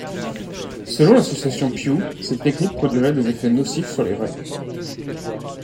Selon l'association Pew, cette technique produirait des effets nocifs sur les raies.